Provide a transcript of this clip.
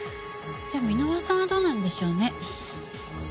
じゃあ箕輪さんはどうなんでしょうね？